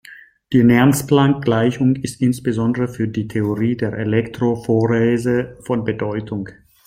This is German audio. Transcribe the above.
Die Nernst-Planck-Gleichung ist insbesondere für die Theorie der Elektrophorese von Bedeutung.